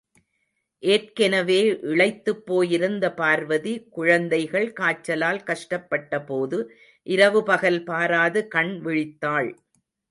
ஏற்கெனவே இளைத்துப் போயிருந்த பார்வதி, குழந்தைகள் காய்ச்சலால் கஷ்டப்பட்டபோது இரவு பகல் பாராது கண் விழித்தாள்.